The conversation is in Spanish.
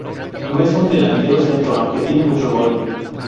No es un delantero centro, aunque tiene mucho gol.